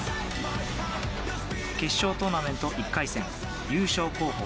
決勝トーナメント１回戦優勝候補